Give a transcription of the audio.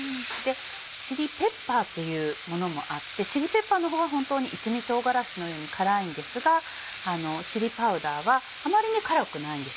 チリペッパーっていうものもあってチリペッパーの方は本当に一味唐辛子のように辛いんですがチリパウダーはあまり辛くないんです。